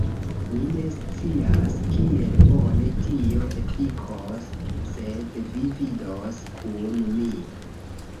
Mi ne scias kiel bone tio efikos sed vi vidos kun mi